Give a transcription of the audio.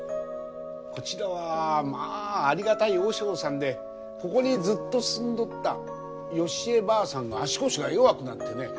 こちらはまあありがたい和尚さんでここにずっと住んどった良枝ばあさんが足腰が弱くなってね。